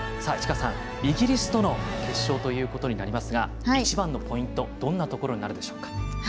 市川さん、イギリスとの決勝となりますが一番のポイントはどんなところになるでしょうか？